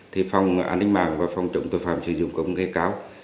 thì phòng an ninh mạng và phòng trọng tuệ phạm sử dụng công nghệ cao